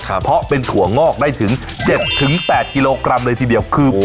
ครับเพราะเป็นถั่วงอกได้ถึงเจ็ดถึงแปดกิโลกรัมเลยทีเดียวคือโอ้